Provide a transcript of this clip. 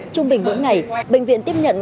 trung bình mỗi ngày bệnh viện tiếp nhận